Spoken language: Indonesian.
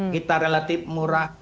kita relatif murah